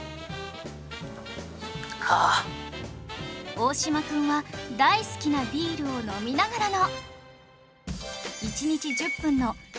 大島くんは大好きなビールを飲みながらの